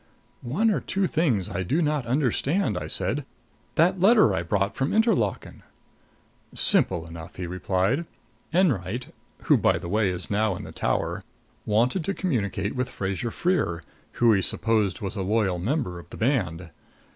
"One or two things I do not understand," I said. "That letter I brought from Interlaken " "Simple enough," he replied. "Enwright who, by the way, is now in the Tower wanted to communicate with Fraser Freer, who he supposed was a loyal member of the band.